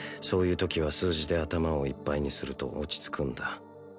そういうときは数字で頭をいっぱいにすると落ち着くんだ